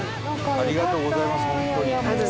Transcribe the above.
ありがとうございます。